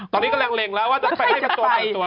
ตอนนี้ก็แรงแรงแล้วว่าจะไปด้วยกับตัวอื่นตัว